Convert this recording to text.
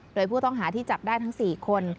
โดยผู้ต้องหาที่จับได้ทั้ง๔คน